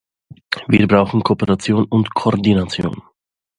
Wir brauchen Kooperation und Koordination.